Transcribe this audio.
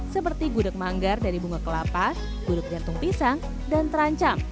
seperti gudeg manggar dari bunga kelapa gudeg jantung pisang dan terancam